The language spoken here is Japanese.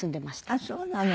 あっそうなの。